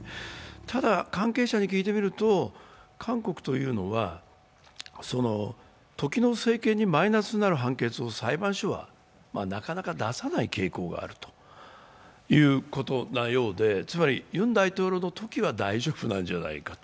ただ、関係者に聞いてみると、韓国というのは時の政権にマイナスになる判決を裁判所はなかなか出さない傾向にあるということのようで、ユン大統領のときは大丈夫なんじゃないかと。